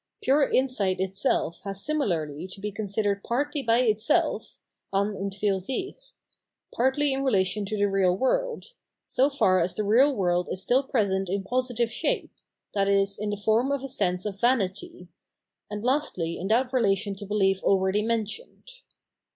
Pure insight itself has similarly to be con sidered partly by itself {an uni fur sich), partly in re Belie f and Pure Insight 543 lation to the real world — so far as the real world is still present in positive shape, viz. in the form of a sense of vanity — and lastly in that relation to behef already mentioned.